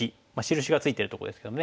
印が付いてるとこですけどね